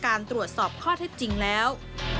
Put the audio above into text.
การตรวจสอบข้อเท็จจริงแล้ว